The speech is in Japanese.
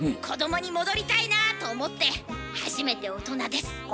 子どもに戻りたいなあと思って初めて大人です。